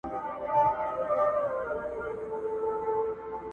درد او غم به مي سي هېر ستا له آوازه!!